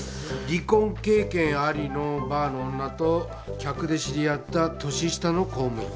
離婚経験ありのバーの女と客で知り合った年下の公務員。